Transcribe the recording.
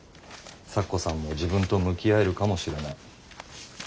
咲子さんも自分と向き合えるかもしれない。